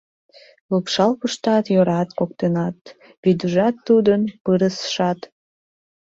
Лупшал пушташ йӧрат коктынат, Вийдужат, тудын пырысшат!